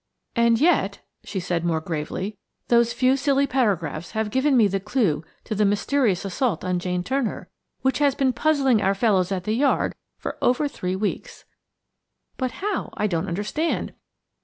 "And yet," she said more gravely, "those few silly paragraphs have given me the clue to the mysterious assault on Jane Turner, which has been puzzling our fellows at the Yard for over three weeks." "But how? I don't understand."